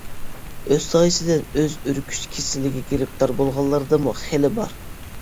ئۆز سايىسىدىن ئۆزى ئۈركۈش كېسىلىگە گىرىپتار بولغانلاردىنمۇ خېلى بار.